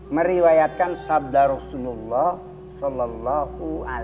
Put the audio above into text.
meriwayatkan sabda rasulullah